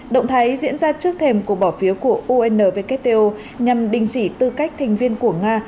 động thái diễn ra trước thềm của bỏ phiếu của unvkto nhằm đình chỉ tư cách thành viên của nga